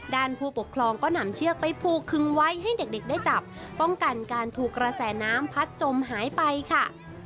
ผู้ปกครองก็นำเชือกไปผูกคึงไว้ให้เด็กได้จับป้องกันการถูกกระแสน้ำพัดจมหายไปค่ะ